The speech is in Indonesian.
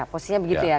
posisinya begitu nak